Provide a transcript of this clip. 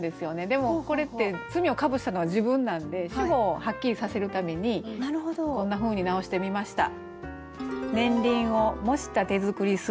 でもこれって罪をかぶしたのは自分なんで主語をはっきりさせるためにこんなふうに直してみました。